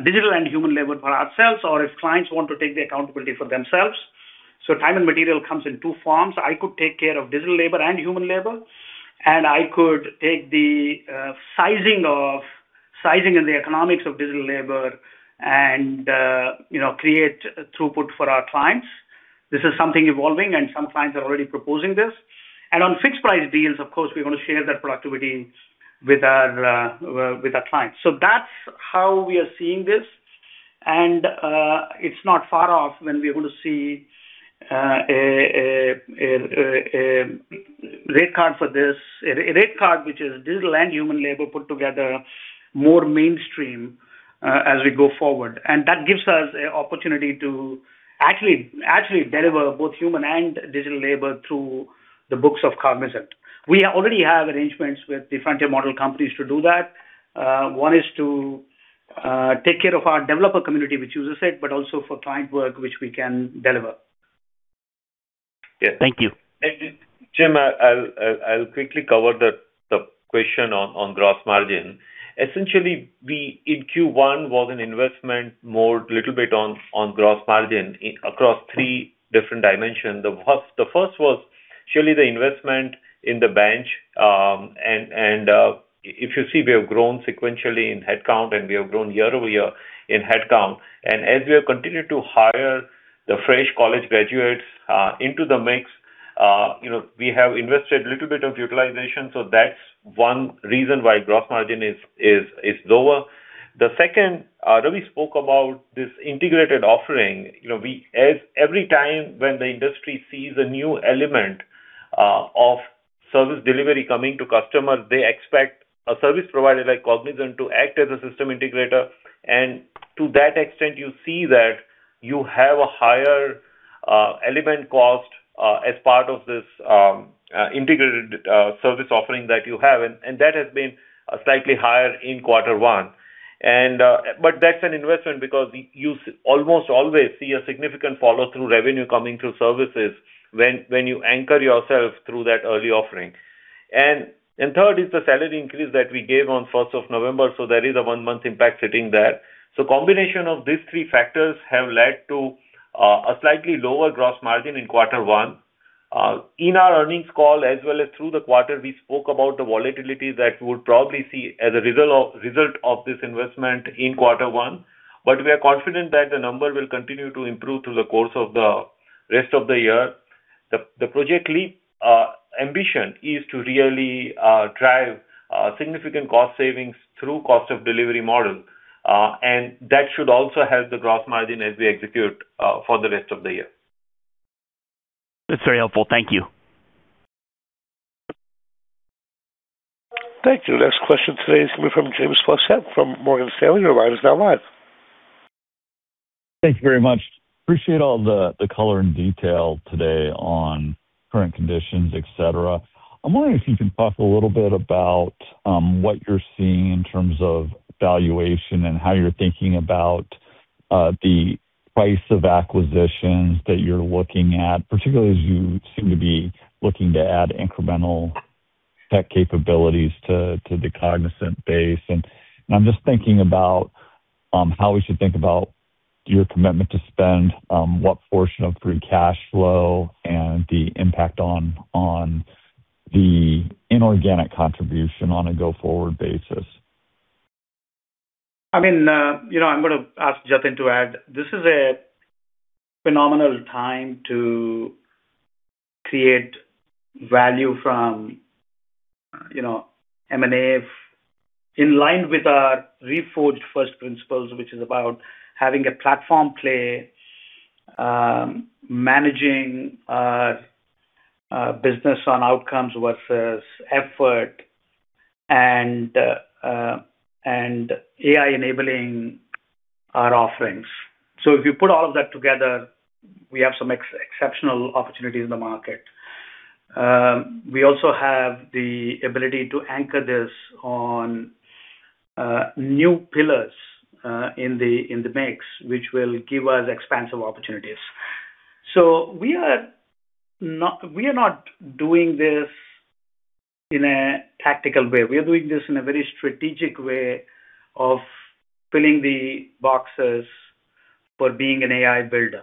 digital and human labor for ourselves or if clients want to take the accountability for themselves. Time and material comes in two forms. I could take care of digital labor and human labor, and I could take the sizing and the economics of digital labor and, you know, create throughput for our clients. This is something evolving, and some clients are already proposing this. On fixed price deals, of course, we wanna share that productivity with our with our clients. That's how we are seeing this. It's not far off when we're gonna see a rate card for this, a rate card which is digital and human labor put together more mainstream as we go forward. That gives us a opportunity to actually deliver both human and digital labor through the books of Cognizant. We already have arrangements with the frontier model companies to do that. One is to take care of our developer community which uses it, but also for client work which we can deliver. Yeah. Thank you. James, I'll quickly cover the question on gross margin. Essentially, we in Q1 was an investment more little bit on gross margin across three different dimensions. The first was surely the investment in the bench. If you see, we have grown sequentially in headcount, and we have grown year-over-year in headcount. As we have continued to hire the fresh college graduates into the mix, you know, we have invested little bit of utilization. That's one reason why gross margin is lower. The second, Ravi spoke about this integrated offering. You know, we as every time when the industry sees a new element of service delivery coming to customers, they expect a service provider like Cognizant to act as a system integrator. To that extent, you see that you have a higher element cost as part of this integrated service offering that you have. That has been slightly higher in Q1. That's an investment because you almost always see a significant follow-through revenue coming through services when you anchor yourself through that early offering. Third is the salary increase that we gave on 1st of November, so there is a one-month impact sitting there. Combination of these three factors have led to a slightly lower gross margin in Q1. In our earnings call as well as through the quarter, we spoke about the volatility that you would probably see as a result of this investment in Q1. We are confident that the number will continue to improve through the course of the rest of the year. The Project Leap ambition is to really drive significant cost savings through cost of delivery model, and that should also help the gross margin as we execute for the rest of the year. That's very helpful. Thank you. Thank you. Next question today is coming from James Faucette from Morgan Stanley. Your line is now live. Thank you very much. Appreciate all the color and detail today on current conditions, et cetera. I'm wondering if you can talk a little bit about what you're seeing in terms of valuation and how you're thinking about the price of acquisitions that you're looking at, particularly as you seem to be looking to add incremental tech capabilities to the Cognizant base. I'm just thinking about how we should think about your commitment to spend what portion of free cash flow and the impact on the inorganic contribution on a go-forward basis. I mean, you know, I'm gonna ask Jatin to add. This is a phenomenal time to create value from, you know, M&A in line with our Reforged First principles, which is about having a platform play, managing business on outcomes versus effort and AI enabling our offerings. If you put all of that together, we have some exceptional opportunities in the market. We also have the ability to anchor this on new pillars in the mix, which will give us expansive opportunities. We are not we are not doing this in a tactical way. We are doing this in a very strategic way of filling the boxes for being an AI Builder.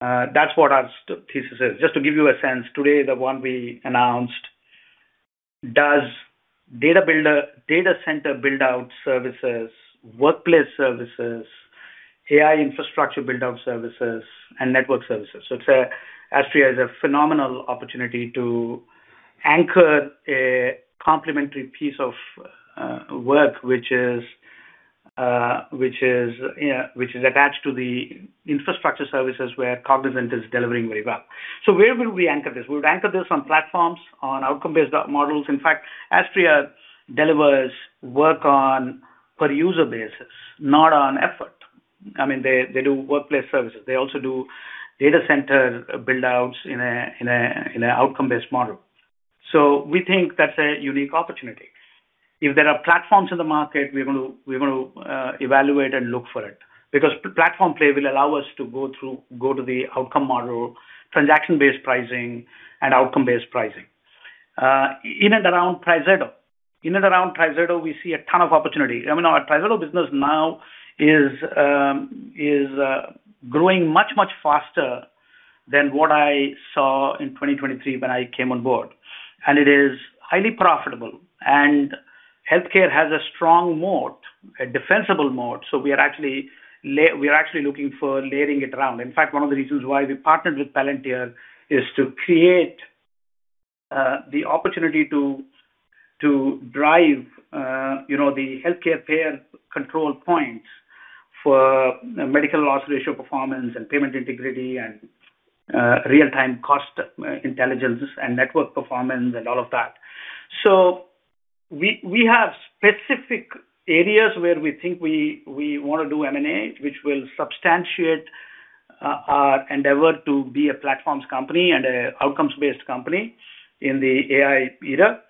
That's what our thesis is. Just to give you a sense, today, the one we announced does data builder, data center build-out services, workplace services, AI infrastructure build-out services, and network services. It's a Astreya is a phenomenal opportunity to anchor a complementary piece of work which is, yeah, which is attached to the infrastructure services where Cognizant is delivering very well. Where will we anchor this? We'll anchor this on platforms, on outcome-based models. In fact, Astreya delivers work on per user basis, not on effort. I mean, they do workplace services. They also do data center buildouts in a outcome-based model. We think that's a unique opportunity. If there are platforms in the market, we're gonna evaluate and look for it because platform play will allow us to go to the outcome model, transaction-based pricing and outcome-based pricing. In and around TriZetto. In and around TriZetto, we see a ton of opportunity. I mean, our TriZetto business now is growing much, much faster than what I saw in 2023 when I came on board. It is highly profitable, and healthcare has a strong moat, a defensible moat, so we are actually looking for layering it around. In fact, one of the reasons why we partnered with Palantir is to create the opportunity to drive, you know, the healthcare payer control points for medical loss ratio performance and payment integrity and real-time cost intelligence and network performance and all of that. We have specific areas where we think we wanna do M&A, which will substantiate our endeavor to be a platforms company and a outcomes-based company in the AI era.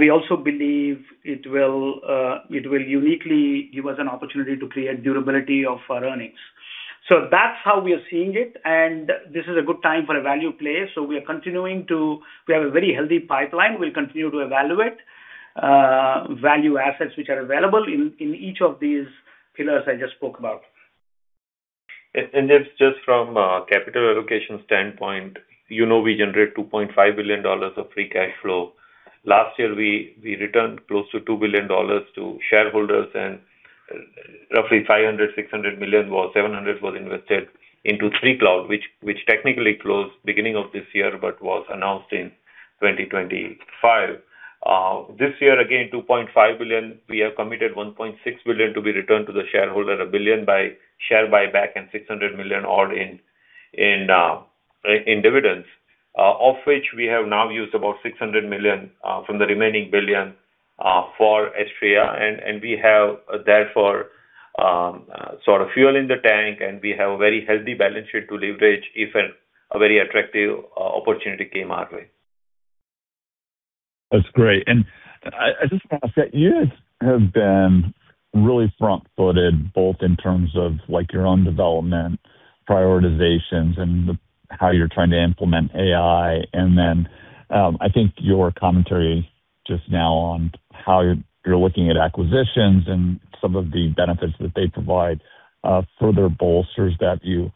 We also believe it will uniquely give us an opportunity to create durability of our earnings. That's how we are seeing it, and this is a good time for a value play. We are continuing to. We have a very healthy pipeline. We'll continue to evaluate value assets which are available in each of these pillars I just spoke about. Just from a capital allocation standpoint, you know we generate $2.5 billion of free cash flow. Last year, we returned close to $2 billion to shareholders, and roughly $700 million was invested into 3Cloud, which technically closed beginning of this year but was announced in 2025. This year again, $2.5 billion. We have committed $1.6 billion to be returned to the shareholder. $1 billion by share buyback and $600 million odd in dividends. Of which we have now used about $600 million from the remaining $1 billion for Astreya. We have therefore sort of fuel in the tank, and we have a very healthy balance sheet to leverage if a very attractive opportunity came our way. That's great. I just wanna say, you guys have been really front-footed, both in terms of, like, your own development, prioritizations, and how you're trying to implement AI. I think your commentary just now on how you're looking at acquisitions and some of the benefits that they provide, further bolsters that view.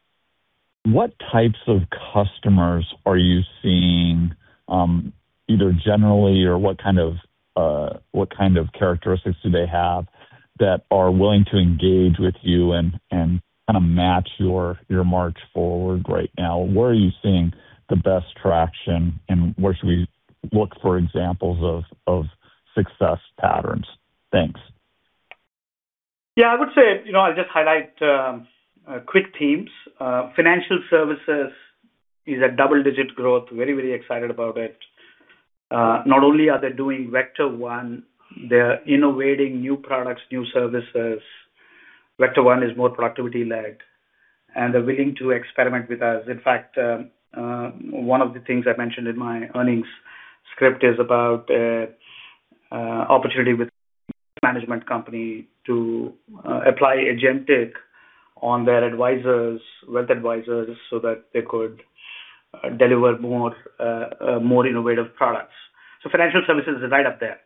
What types of customers are you seeing, either generally or what kind of characteristics do they have that are willing to engage with you and kinda match your march forward right now? Where are you seeing the best traction, and where should we look for examples of success patterns? Thanks. I would say, you know, I'll just highlight quick themes. Financial services is a double-digit growth. Very, very excited about it. Not only are they doing Vector 1, they're innovating new products, new services. Vector 1 is more productivity-led, and they're willing to experiment with us. In fact, one of the things I mentioned in my earnings script is about opportunity with management company to apply Agentic AI on their advisors, wealth advisors, so that they could deliver more innovative products. Financial services is right up there.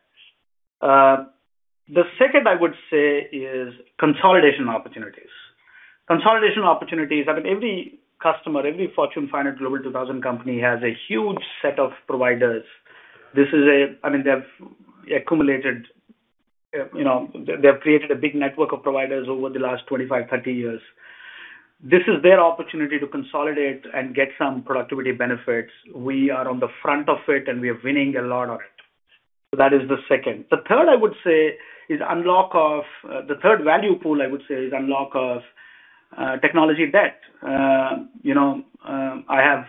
The second I would say is consolidation opportunities. Consolidation opportunities, I mean, every customer, every Forbes Global 2000 company has a huge set of providers. I mean, they've accumulated, you know, they've created a big network of providers over the last 25, 30 years. This is their opportunity to consolidate and get some productivity benefits. We are on the front of it, and we are winning a lot on it. That is the second. The third, I would say, is unlock of the third value pool, I would say, is unlock of technology debt. You know, I have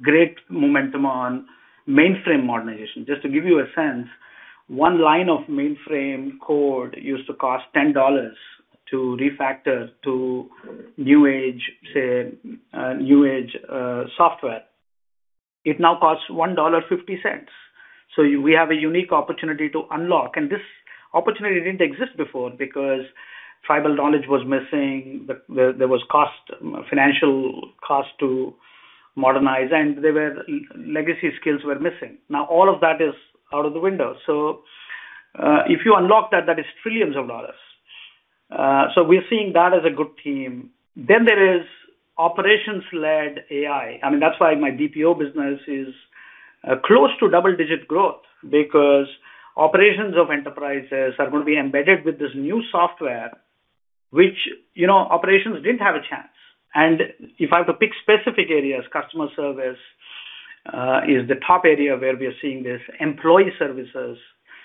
great momentum on mainframe modernization. Just to give you a sense, 1 line of mainframe code used to cost $10 to refactor to new age, say, new age software. It now costs $1.50. We have a unique opportunity to unlock. This opportunity didn't exist before because tribal knowledge was missing. There was cost, financial cost to modernize, and there were legacy skills missing. Now, all of that is out of the window. If you unlock that is trillions of dollars. We're seeing that as a good team. There is operations-led AI. I mean, that's why my BPO business is close to double-digit growth because operations of enterprises are gonna be embedded with this new software which, you know, operations didn't have a chance. If I have to pick specific areas, customer service is the top area where we are seeing this. Employee services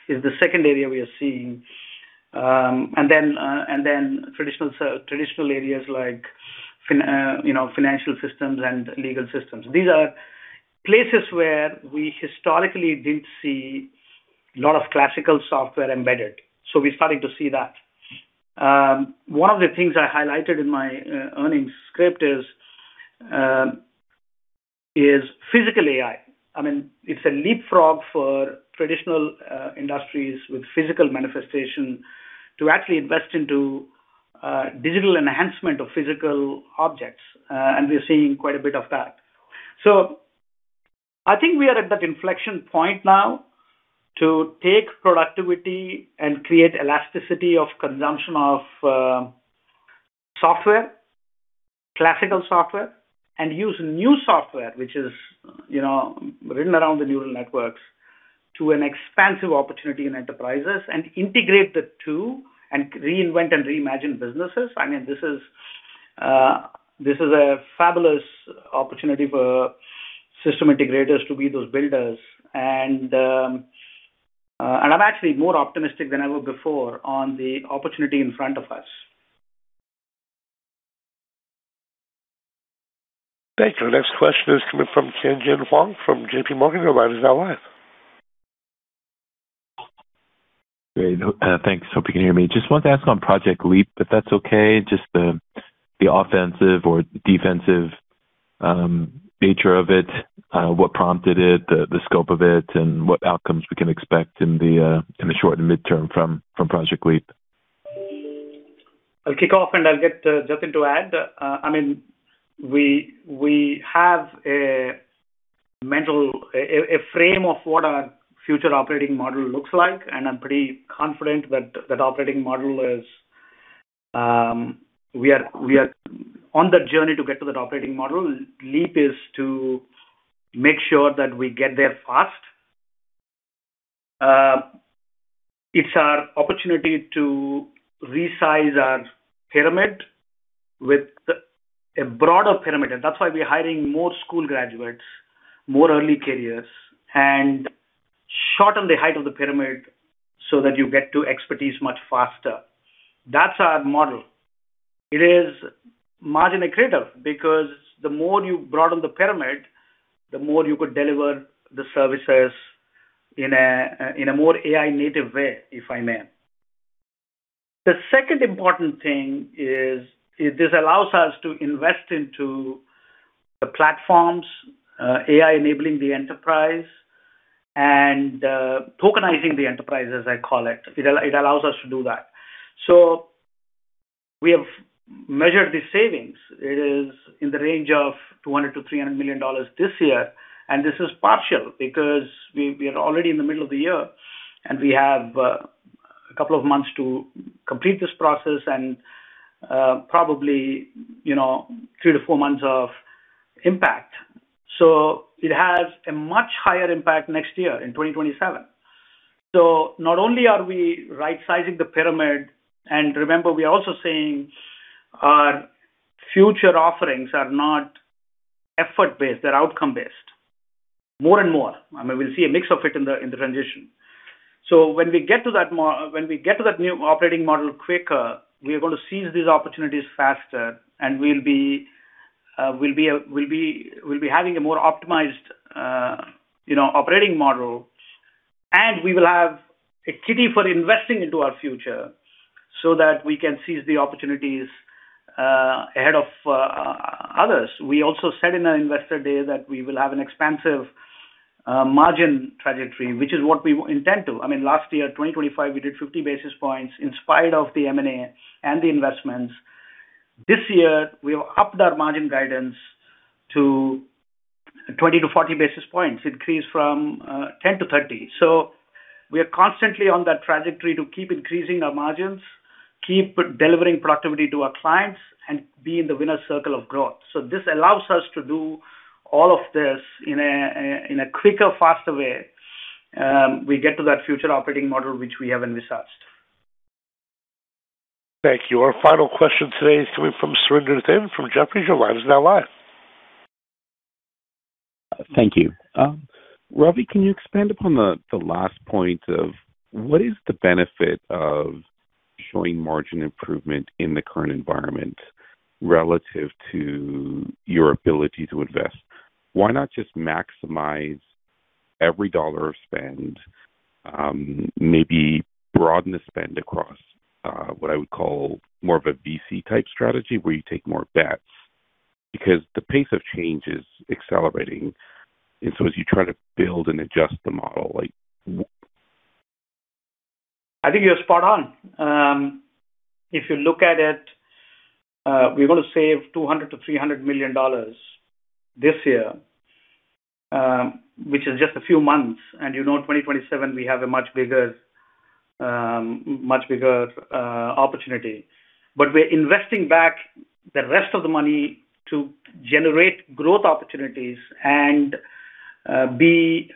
is the second area we are seeing. Traditional areas like, you know, financial systems and legal systems. These are places where we historically didn't see a lot of classical software embedded, so we're starting to see that. One of the things I highlighted in my earnings script is physical AI. I mean, it's a leapfrog for traditional industries with physical manifestation to actually invest into digital enhancement of physical objects. We're seeing quite a bit of that. I think we are at that inflection point now to take productivity and create elasticity of consumption of software, classical software, and use new software, which is, you know, written around the neural networks, to an expansive opportunity in enterprises and integrate the two and reinvent and reimagine businesses. I mean, this is, this is a fabulous opportunity for system integrators to be those builders and I'm actually more optimistic than I was before on the opportunity in front of us. Thank you. Next question is coming from Tien-tsin Huang from J.P. Morgan. Your line is now live. Great. Thanks. Hope you can hear me. Just wanted to ask on Project Leap, if that's okay. Just the offensive or defensive nature of it, what prompted it, the scope of it, and what outcomes we can expect in the short and midterm from Project Leap. I'll kick off, and I'll get Jatin Dalal to add. I mean, we have a mental frame of what our future operating model looks like, and I'm pretty confident that that operating model is, we are on the journey to get to that operating model. Leap is to make sure that we get there fast. It's our opportunity to resize our pyramid with a broader pyramid. That's why we're hiring more school graduates, more early careers, and shorten the height of the pyramid so that you get to expertise much faster. That's our model. It is margin accretive because the more you broaden the pyramid, the more you could deliver the services in a more AI native way, if I may. The second important thing is, this allows us to invest into the platforms, AI enabling the enterprise and tokenizing the enterprise, as I call it. It allows us to do that. We have measured the savings. It is in the range of $200 million-$300 million this year, and this is partial because we are already in the middle of the year, and we have two months to complete this process and, you know, three to four months of impact. It has a much higher impact next year in 2027. Not only are we rightsizing the pyramid, and remember, we are also saying our future offerings are not effort-based, they're outcome-based, more and more. I mean, we'll see a mix of it in the transition. When we get to that new operating model quicker, we are gonna seize these opportunities faster, and we'll be having a more optimized, you know, operating model, and we will have a kitty for investing into our future so that we can seize the opportunities ahead of others. We also said in our investor day that we will have an expansive margin trajectory, which is what we intend to. I mean, last year, 2025, we did 50 basis points in spite of the M&A and the investments. This year, we have upped our margin guidance to 20-40 basis points, increased from 10-30. We are constantly on that trajectory to keep increasing our margins, keep delivering productivity to our clients, and be in the winner's circle of growth. This allows us to do all of this in a quicker, faster way, we get to that future operating model, which we have envisaged. Thank you. Our final question today is coming from Surinder Thind from Jefferies. Your line is now live. Thank you. Ravi, can you expand upon the last point of what is the benefit of showing margin improvement in the current environment relative to your ability to invest? Why not just maximize every dollar of spend, maybe broaden the spend across what I would call more of a VC type strategy where you take more bets? The pace of change is accelerating, as you try to build and adjust the model. I think you're spot on. If you look at it, we're gonna save $200 million-$300 million this year, which is just a few months. You know, in 2027 we have a much bigger opportunity. We're investing back the rest of the money to generate growth opportunities and be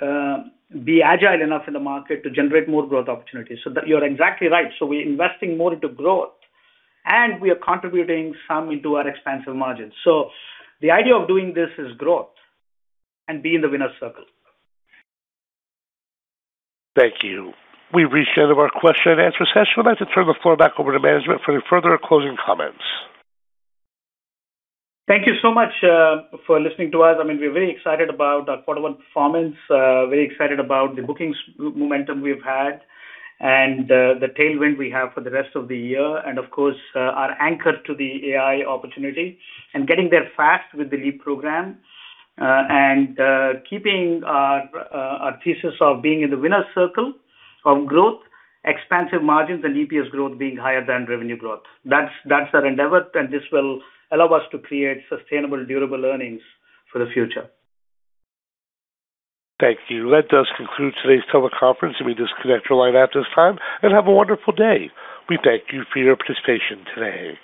agile enough in the market to generate more growth opportunities. You're exactly right. We're investing more into growth, and we are contributing some into our expansive margins. The idea of doing this is growth and be in the winner's circle. Thank you. We've reached the end of our question-and answer session. I'd like to turn the floor back over to management for any further closing comments. Thank you so much for listening to us. I mean, we're very excited about our quarter one performance, very excited about the bookings momentum we've had and the tailwind we have for the rest of the year and of course, our anchor to the AI opportunity and getting there fast with the Project Leap, and keeping our thesis of being in the winner's circle of growth, expansive margins and EPS growth being higher than revenue growth. That's our endeavor, this will allow us to create sustainable, durable earnings for the future. Thank you. That does conclude today's teleconference. You may disconnect your line at this time. Have a wonderful day. We thank you for your participation today.